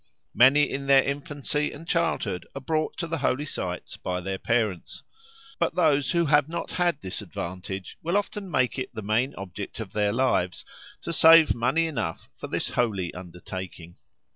Many in their infancy and childhood are brought to the holy sites by their parents, but those who have not had this advantage will often make it the main object of their lives to save money enough for this holy undertaking.